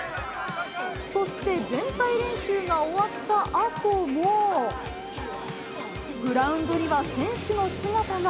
そして全体練習が終わったあとも、グラウンドには選手の姿が。